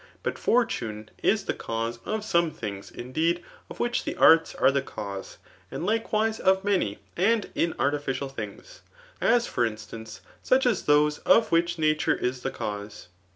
But fortune is the cause of some things, indeed, of which the arts ai^ the cause ; and like vve of many and inardficisii things, as for distance, such as those of which nature is the cause.